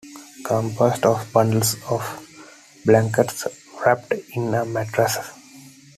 Composed of bundles of Blankets wrapped in a Mattress.